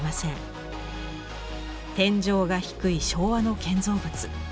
天井が低い昭和の建造物。